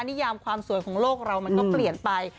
นิยามความสวยของโลกเรามันก็เปลี่ยนไป